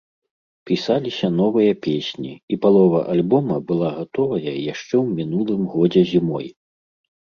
Пісаліся новыя песні, і палова альбома была гатовая яшчэ ў мінулым годзе зімой.